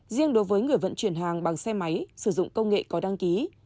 riêng đối với người vận chuyển hàng bằng xe máy sử dụng công nghệ có đăng ký